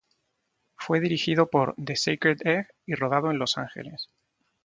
Fue dirigido por The Sacred Egg y rodado en Los Angeles.